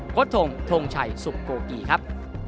ทงทงชัยสุโกกีครับ